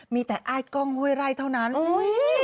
มีแต่อ้ายกล้องห้วยไร่เท่านั้นอุ้ย